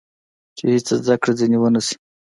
چې هېڅ زده کړه ځینې ونه شي.